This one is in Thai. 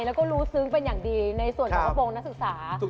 แล้วรู้ซึ้งเป็นอย่างดีในส่วนเพื่อนภาพงศ์นักศึกษา